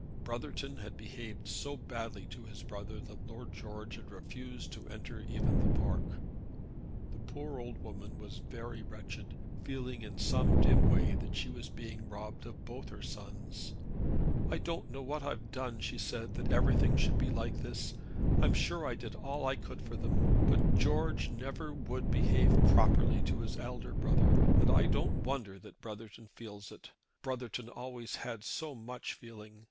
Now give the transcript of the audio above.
Brotherton had behaved so badly to his brother that Lord George had refused to enter even the park. The poor old woman was very wretched, feeling in some dim way that she was being robbed of both her sons. "I don't know what I've done," she said, "that everything should be like this. I'm sure I did all I could for them; but George never would behave properly to his elder brother, and I don't wonder that Brotherton feels it. Brotherton always had so much feeling.